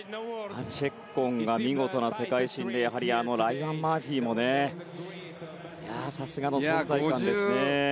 チェッコンが見事な世界新でやはりライアン・マーフィーもさすがの存在感ですね。